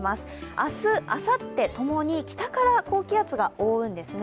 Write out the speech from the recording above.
明日、あさって共に北から高気圧が覆うんですね。